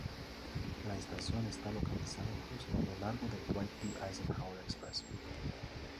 La estación está localizada justo a lo largo del Dwight D. Eisenhower Expressway.